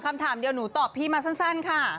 คำถามเดียวหนูตอบพี่มาสั้นค่ะ